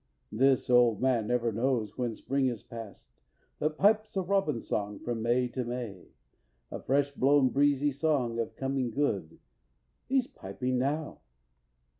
This old man never knows when spring is past, But pipes a robin song from May to May, A fresh blown breezy song of coming good He's piping now!"